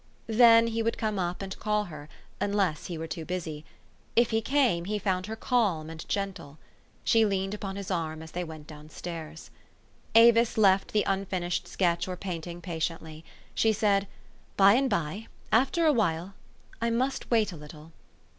Then he would come up and call her, unless he were too busy. If he came, he found her gentle and calm. She leaned upon his arm as they went down stairs. Avis left the unfinished sketch or painting pa tiently. She said, " By and by. After a while. I must wait a little."